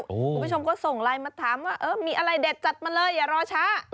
คุณผู้ชมก็ส่งไลน์มาถามว่าเออมีอะไรเด็ดจัดมาเลยอย่ารอช้า